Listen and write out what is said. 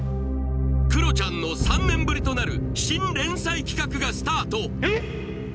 クロちゃんの３年ぶりとなる新連載企画がスタートえっ？